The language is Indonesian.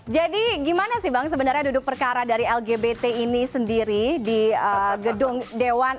jadi gimana sih bang sebenarnya duduk perkara dari lgbt ini sendiri di gedung dewan